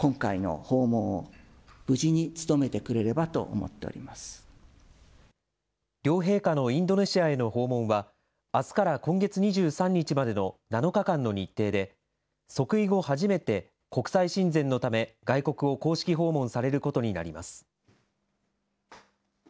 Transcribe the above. また皇后さまについては。両陛下のインドネシアへの訪問は、あすから今月２３日までの７日間の日程で、即位後初めて国際親善のため、外国を公式訪問されることになります。